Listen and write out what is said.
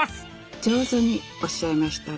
上手におっしゃいましたね。